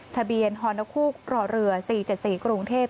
ทะเบียนฮนคูกรเรือ๔๗๔กรุงเทพฯ